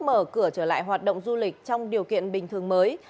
mở cửa trở lại hoạt động du lịch trong điều kiện bình thường mới